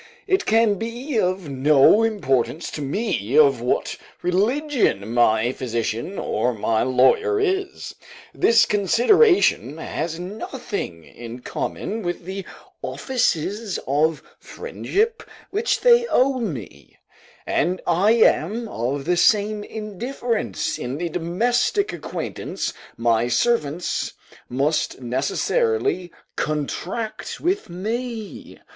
It can be of no importance to me of what religion my physician or my lawyer is; this consideration has nothing in common with the offices of friendship which they owe me; and I am of the same indifference in the domestic acquaintance my servants must necessarily contract with me.